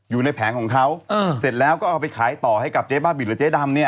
แผงของเขาเสร็จแล้วก็เอาไปขายต่อให้กับเจ๊บ้าบินหรือเจ๊ดำเนี่ย